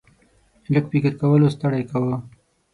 لږ فکر کولو ستړی کاوه.